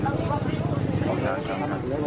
ขอบคุณครับขอบคุณครับ